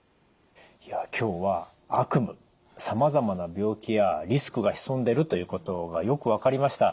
いや今日は悪夢さまざまな病気やリスクが潜んでるということがよく分かりました。